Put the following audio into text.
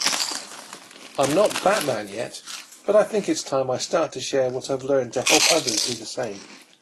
I'm not Batman yet, but I think it's time I start to share what I've learned to help others do the same.